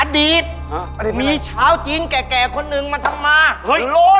อดีตมีชาวจีนแก่คนหนึ่งมาทำมาเฮ้ยโล